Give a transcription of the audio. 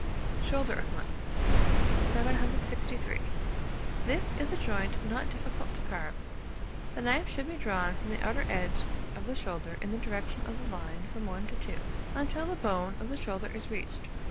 SHOULDER OF MUTTON. [Illustration: SHOULDER OF MUTTON.] 763. This is a joint not difficult to carve. The knife should be drawn from the outer edge of the shoulder in the direction of the line from 1 to 2, until the bone of the shoulder is reached.